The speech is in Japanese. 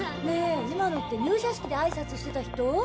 ねえ今のって入社式であいさつしてた人？